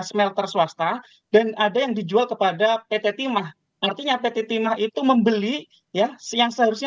smelter swasta dan ada yang dijual kepada pt timah artinya pt timah itu membeli ya yang seharusnya